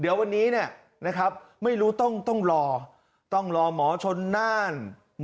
เดี๋ยววันนี้ไม่รู้ต้องรอต้องรอหมอชนน่าน